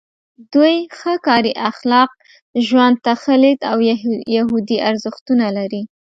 دوی ښه کاري اخلاق، ژوند ته ښه لید او یهودي ارزښتونه لري.